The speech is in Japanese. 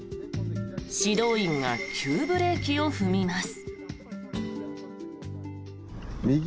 指導員が急ブレーキを踏みます。